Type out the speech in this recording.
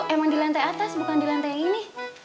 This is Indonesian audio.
emang di lantai atas bukan di lantai yang ini